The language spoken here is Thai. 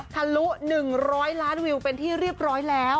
ทะลุ๑๐๐ล้านวิวเป็นที่เรียบร้อยแล้ว